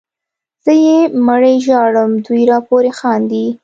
زه یې مړی ژاړم دوی راپورې خاندي